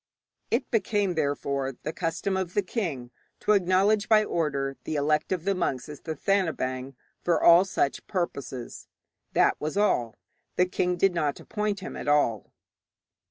It became, therefore, the custom for the king to acknowledge by order the elect of the monks as Thathanabaing for all such purposes. That was all. The king did not appoint him at all.